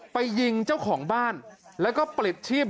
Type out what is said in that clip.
ไปยิงเจ้าของบ้านแล้วก็ปลิดชีพ